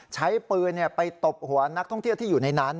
ใช้ปืนไปตบหัวนักท่องเที่ยวที่อยู่ในนั้น